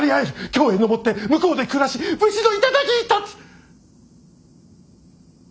京へ上って向こうで暮らし武士の頂に立つ！